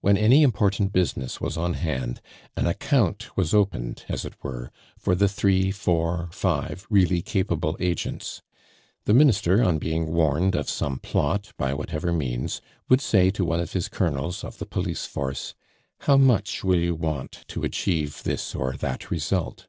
When any important business was on hand, an account was opened, as it were, for the three, four, five, really capable agents. The Minister, on being warned of some plot, by whatever means, would say to one of his colonels of the police force: "How much will you want to achieve this or that result?"